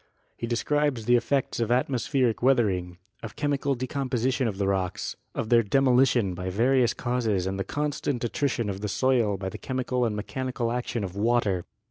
He describes the effects of atmospheric weathering, of chemical decomposi tion of the rocks, of their demolition by various causes and the constant attrition of the soil by the chemical and mechanical action of water.